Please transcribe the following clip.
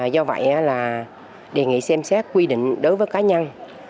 do vậy là đề nghị xem xét quy định đối với cá nhân